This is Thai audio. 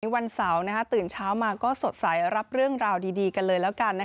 วันเสาร์ตื่นเช้ามาก็สดใสรับเรื่องราวดีกันเลยแล้วกัน